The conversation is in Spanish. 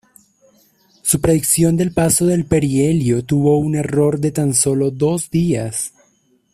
Su predicción del paso del perihelio tuvo un error de tan solo dos días.